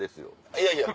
いやいや。